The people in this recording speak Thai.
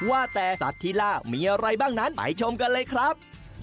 ว่าแต่สัตว์ที่ล่ามีอะไรบ้างนั้นไปชมกันเลยครับ